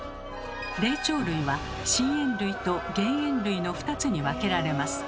霊長類は真猿類と原猿類の２つに分けられます。